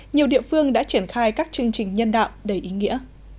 nhiều địa phương đã triển khai các chương trình nhân đạo đầy ý nghĩa